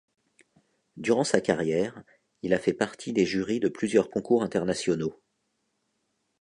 Durant sa carrière, il a fait partie des jurys de plusieurs concours internationaux.